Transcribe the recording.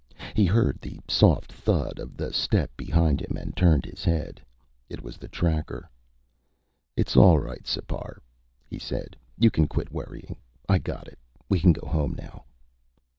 He heard the soft thud of the step behind him and turned his head. It was the tracker. "It's all right, Sipar," he said. "You can quit worrying. I got it. We can go home now."